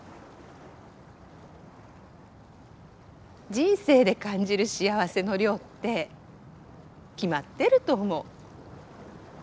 人生で感じる幸せの量って決まってると思う。